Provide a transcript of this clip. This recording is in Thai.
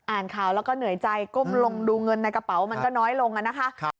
อ่านข่าวแล้วก็เหนื่อยใจก้มลงดูเงินในกระเป๋ามันก็น้อยลงนะคะ